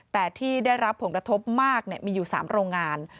แต่ที่ได้รับผลกระทบมากมีอยู่๓โรงงาน